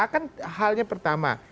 kan halnya pertama